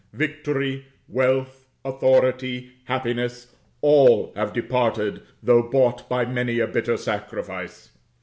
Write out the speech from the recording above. Victory, wealth, authority, happiness all have departed, though bought by many a bitter sacrifice.